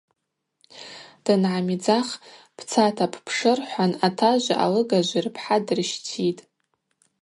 Дангӏамидзах – Бцата бпшы, – рхӏван атажви алыгажви рпхӏа дырщтитӏ.